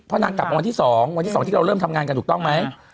เพราะนางกลับมาวันที่๒วันที่๒ที่เราเริ่มทำงานกันถูกต้องไหม